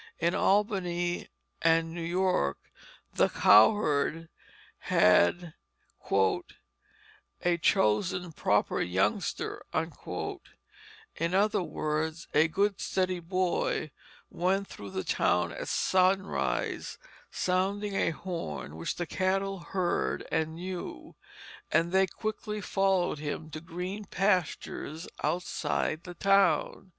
In Albany and New York the cowherd and "a chosen proper youngster" in other words, a good, steady boy went through the town at sunrise sounding a horn, which the cattle heard and knew; and they quickly followed him to green pastures outside the town.